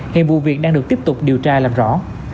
hiện vụ việc đang được tiếp tục điều tra làm rõ